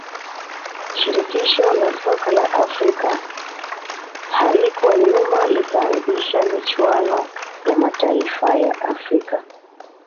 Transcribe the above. shirikisho la soka la afrika halikuwa nyuma likaanzisha michuano ya mataifa ya afrika